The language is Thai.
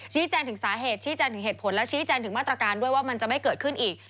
แจ้งถึงสาเหตุชี้แจงถึงเหตุผลและชี้แจงถึงมาตรการด้วยว่ามันจะไม่เกิดขึ้นอีก